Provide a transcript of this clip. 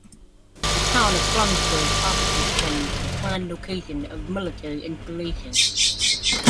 The town of Flensburg profited from the planned location of military installations.